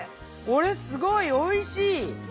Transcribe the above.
これすごいおいしい！